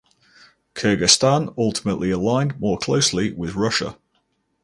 Kyrgyzstan ultimately aligned more closely with Russia.